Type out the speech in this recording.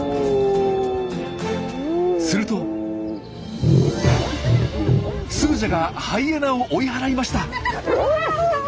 するとスージャがハイエナを追い払いました。